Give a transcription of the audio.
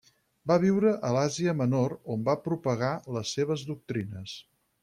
Va viure a l'Àsia Menor on va propagar les seves doctrines.